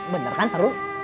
bener kan seru